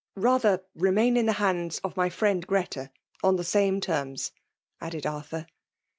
' Rather remain in the hands of my friend Greta, on the same terms, added Arftur.